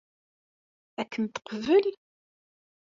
Ad kem-teqbel?